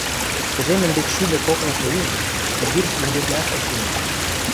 Тӹжем ӹндекшшӱдӹ коклышы ин Симбирск губерняштӹ шинӹт.